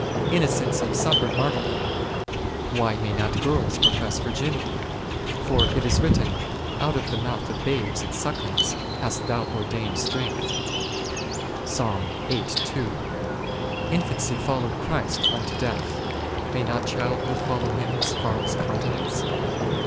Innocents have suffered martyrdom, why may not girls profess virginity ? for it is written, out of the mouth of bales and sucklings hast Thou ordained strength 5 . Infancy followed Christ unto death, may not childhood follow Him as far as continence